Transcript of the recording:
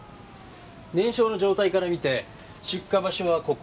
燃焼の状態から見て出火場所はここ。